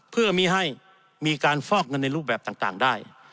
เพื่อไม่ให้มีการฟอกเงินในรูปแบบต่างได้